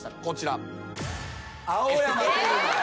こちら。